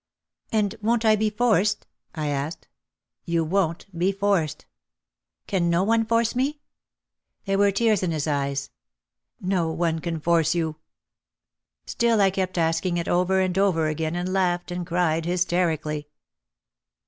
"And won't I be forced?" I asked. "You won't be forced." "Can no one force me?" There were tears in his eyes. "No one can force you." Still I kept asking it over and over again and laughed and cried hysterically.